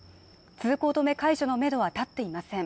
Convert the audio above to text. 通行止め解除のメドは立っていません